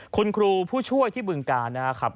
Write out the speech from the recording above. คุณครูผู้ช่วยที่บึงกาลนะครับ